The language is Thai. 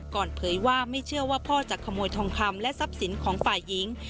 เผยว่าไม่เชื่อว่าพ่อจะขโมยทองคำและทรัพย์สินของฝ่ายหญิง